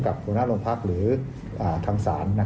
หัวหน้าโรงพักหรือทางศาล